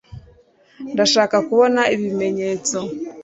ndashaka kubona ibimenyetso